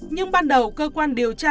nhưng ban đầu cơ quan điều tra